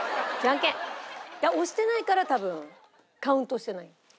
押してないから多分カウントしてない。